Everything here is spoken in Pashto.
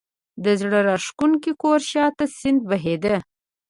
د زړه راکښونکي کور شا ته سیند بهېده.